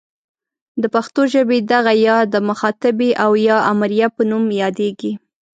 د پښتو ژبې دغه ئ د مخاطبې او یا امریه په نوم یادیږي.